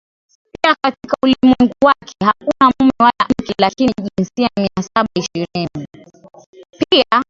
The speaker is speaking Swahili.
Pia katika ulimwengu wake hakuna mume wala mke lakini jinsia Mia Saba ishirini